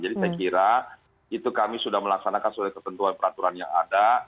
jadi saya kira itu kami sudah melaksanakan oleh ketentuan peraturan yang ada